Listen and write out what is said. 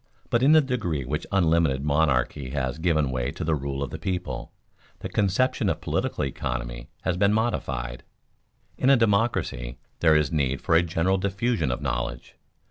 But in the degree in which unlimited monarchy has given way to the rule of the people, the conception of political economy has been modified. In a democracy there is need for a general diffusion of knowledge.